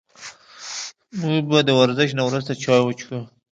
موږ به د ورزش نه وروسته چای وڅښو